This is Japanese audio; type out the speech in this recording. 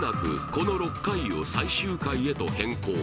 この６回を最終回へと変更